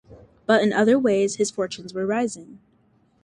But in other ways his fortunes were rising.